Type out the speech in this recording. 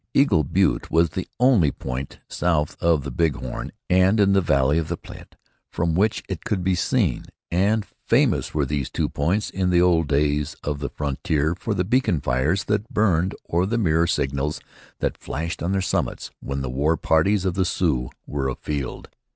Eagle Butte was the only point south of the Big Horn and in the valley of the Platte from which it could be seen, and famous were these two points in the old days of the frontier for the beacon fires that burned or the mirror signals that flashed on their summits when the war parties of the Sioux were afield.